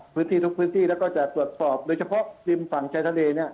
พื้นที่ทุกที่แล้วก็จะตรวจสอบโดยเฉพาะดินฝั่งชายทะเล